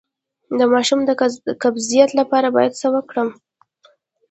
د ماشوم د قبضیت لپاره باید څه وکړم؟